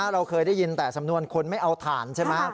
เราเคยได้ยินแต่สำนวนคนไม่เอาถ่านใช่ไหม